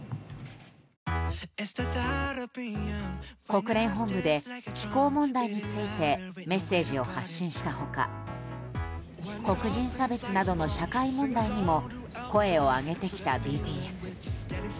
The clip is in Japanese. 国連本部で気候問題についてメッセージを発信した他黒人差別などの社会問題にも声を上げてきたＢＴＳ。